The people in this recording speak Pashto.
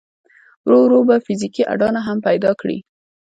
ورو ورو به فزيکي اډانه هم پيدا کړي.